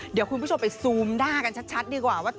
เดี๋ยวคุณผู้ชมไปซูมหน้ากันชัดดีกว่าว่า